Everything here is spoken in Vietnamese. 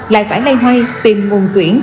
lại phải lây hoay tìm nguồn tuyển